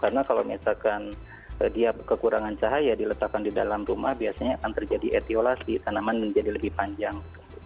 karena kalau misalkan dia kekurangan cahaya diletakkan di dalam rumah biasanya akan terjadi etiolasi tanaman menjadi lebih panjang